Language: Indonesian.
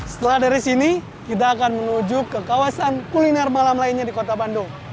setelah dari sini kita akan menuju ke kawasan kuliner malam lainnya di kota bandung